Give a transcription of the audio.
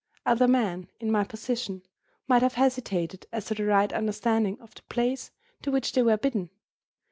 Other men, in my position, might have hesitated as to the right understanding of the place to which they were bidden.